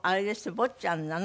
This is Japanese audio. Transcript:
坊ちゃんなの？